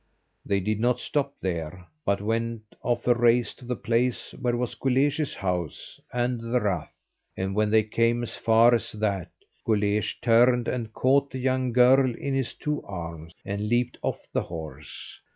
They did not stop there, but went of a race to the place where was Guleesh's house and the rath. And when they came as far as that, Guleesh turned and caught the young girl in his two arms, and leaped off the horse.